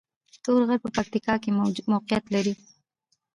تور غر په پکتیا کې موقعیت لري